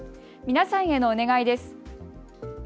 皆さんへのお願いです。